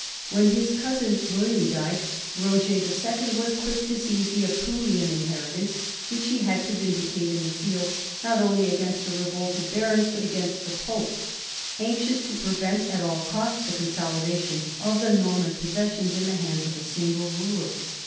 When his cousin William died, Roger II was quick to seize the Apulian inheritance, which he had to vindicate in the field not only against the revolted barons but against the Pope, anxious to prevent at all cost the consolidation of the Norman possessions in the hands of a single ruler.